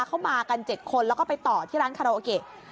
เขามากัน๗คนแล้วก็ไปต่อที่ร้านคาราโอเกะ